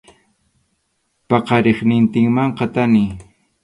Paqariqnintinmanqa thani.